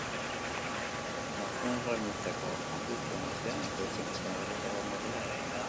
Datorren urteko apustuen artean ekoizpen sistema berritzea egongo dela ere iragarri du.